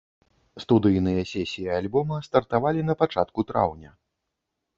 Студыйныя сесіі альбома стартавалі на пачатку траўня.